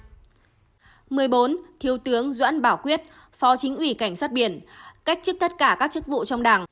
thứ mười bốn thiếu tướng doãn bảo quyết phó chính ủy cảnh sát biển cách trước tất cả các chức vụ trong đảng